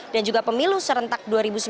dan juga pemilu serentak dua ribu sembilan belas